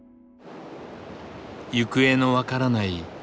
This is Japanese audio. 行方の分からない